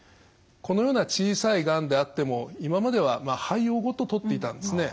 このような小さいがんであっても今までは肺葉ごと取っていたんですね。